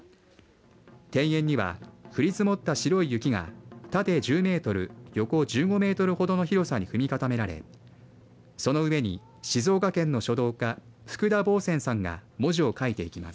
庭園には降り積もった白い雪が縦１０メートル、横１５メートルほどの広さに踏み固められその上に静岡県の書道家福田房仙さんが文字を書いていきます。